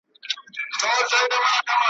نن دي واری د عمل دی قدم اخله روانېږه `